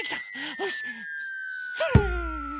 よしそれ。